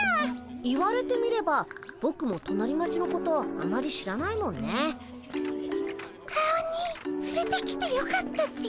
言われてみればぼくも隣町のことあまり知らないもんね。アオニイつれてきてよかったっピ？